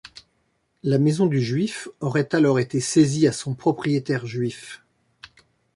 La maison du Juif aurait alors été saisie à son propriétaire juif.